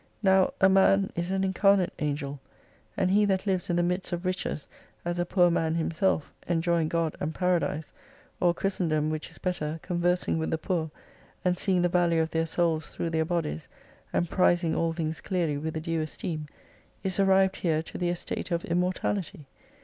Now a man is an incar nate Angel. And he that lives in the midst of riches as a poor man himself, enjoying God and Paradise, or Christendom which is better, conversing with the poor, and seeing the value of their souls through their bodies] and prizing all things clearly with a due esteem, is arrived here to the estate of immortality.